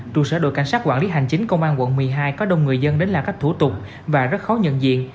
trụ sở đội cảnh sát quản lý hành chính công an quận một mươi hai có đông người dân đến làm các thủ tục và rất khó nhận diện